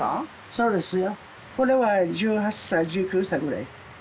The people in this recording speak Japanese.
そうですよ。